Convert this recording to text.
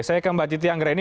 saya ke mbak titi anggera ini